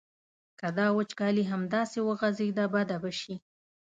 که دا وچکالي همداسې وغځېده بده به شي.